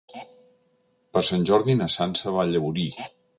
Per Sant Jordi na Sança va a Llaurí.